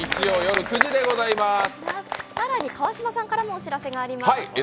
更に川島さんからもお知らせがあります。